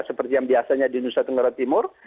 seperti yang biasanya di nusa tenggara timur